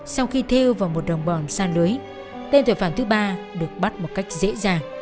sau khi theo vào một đồng bọn xa lưới tên tội phạm thứ ba được bắt một cách dễ dàng